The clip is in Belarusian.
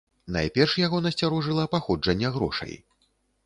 Найперш яго насцярожыла паходжанне грошай.